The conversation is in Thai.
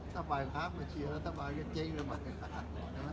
ถ้าไปพร้าทเจอแล้วต้องไปเจ๊เมืองบ่าย